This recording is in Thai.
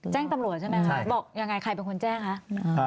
แจ้งตำรวจใช่ไหมคะบอกยังไงใครเป็นคนแจ้งคะ